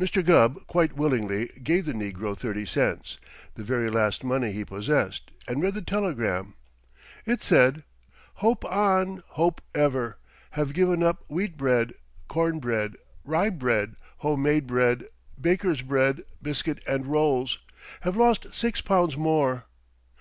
Mr. Gubb quite willingly gave the negro thirty cents, the very last money he possessed, and read the telegram. It said: Hope on, hope ever. Have given up wheat bread, corn bread, rye bread, home made bread, bakers' bread, biscuit and rolls. Have lost six pounds more.